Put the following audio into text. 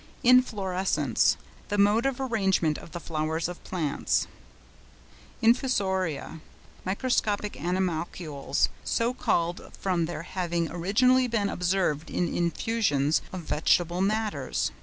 INFLORESCENCE.—The mode of arrangement of the flowers of plants. INFUSORIA.—A class of microscopic animalcules, so called from their having originally been observed in infusions of vegetable matters.